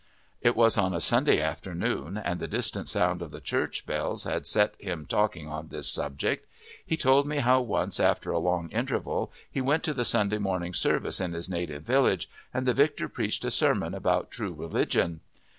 It was on a Sunday afternoon, and the distant sound of the church bells had set him talking on this subject. He told me how once, after a long interval, he went to the Sunday morning service in his native village, and the vicar preached a sermon about true religion.